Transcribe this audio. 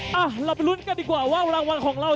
กระโดยสิ้งเล็กนี่ออกกันขาสันเหมือนกันครับ